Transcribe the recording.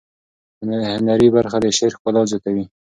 هنري برخه د شعر ښکلا زیاتوي.